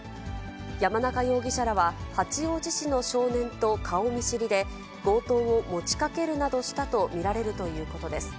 山中容疑者らは、八王子市の少年と顔見知りで、強盗を持ちかけるなどしたと見られるということです。